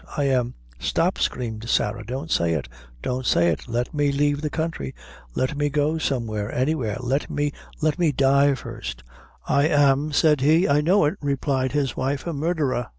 I am " "Stop," screamed Sarah, "don't say it don't say it! Let me leave the counthry. Let me go somewhere any where let me let me die first." "I am ," said he. "I know it," replied his wife; "a murdherer!